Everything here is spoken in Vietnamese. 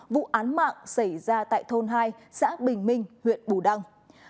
vụ án mạng xảy ra tại thôn hai xã bình minh huyện bù đăng